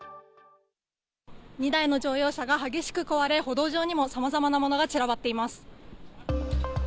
２台の乗用車が激しく壊れ、歩道上にもさまざまなものが散らばっています。